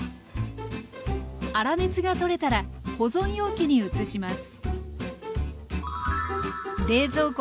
粗熱が取れたら保存容器に移します。